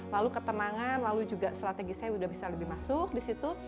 lalu ketenangan lalu juga strategi saya sudah bisa lebih masuk di situ